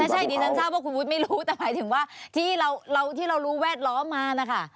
ใช่ดิฉันทราบว่าคุณวุฒิไม่รู้แต่หมายถึงว่าที่เรารู้แวดล้อมมานะคะ